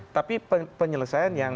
tapi penyelesaian yang